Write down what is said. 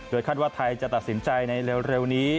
คาดว่าไทยจะตัดสินใจในเร็วนี้